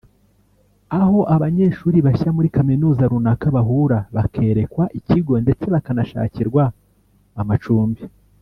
aho abanyeshuri bashya muri kaminuza runaka bahura bakerekwa ikigo ndetse bakanashakirwa amacumbi